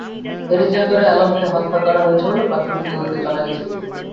এরই জের ধরে আলমকে হত্যা করা হয়েছে বলে প্রাথমিক তদন্তে জানা গেছে।